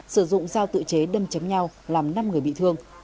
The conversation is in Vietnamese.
sử dụng sao tự chế đâm chấm nhau làm năm người bị thương